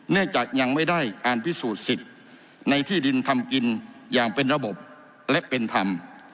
เนื่องจากยังไม่ได้การพิสูจน์สิทธิ์ในที่ดินทำกินอย่างเป็นระบบและเป็นธรรม